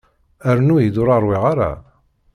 Rnu-yi-d ur ṛwiɣ ara.